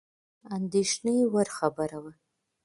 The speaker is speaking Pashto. اندېښني وړ خبره وه.